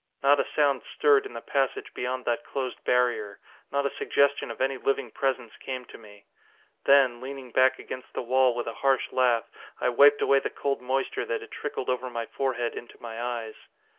Not a sound stirred in the passage beyond that closed barrier. Not a suggestion of any living presence came to me. Then, leaning back against the wall with a harsh laugh, I wiped away the cold moisture that had trickled over my forehead into my eyes.